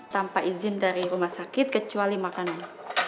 tanpa izin dari rumah sakit kecuali makanan